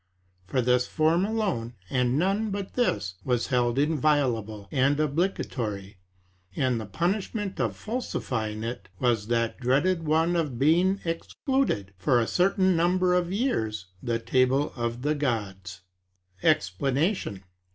For this form alone, and none but this, was held inviolable and obligatory; and the punishment of falsifying it, was that dreaded one of being excluded, for a certain number of years, the table of the gods. EXPLANATION.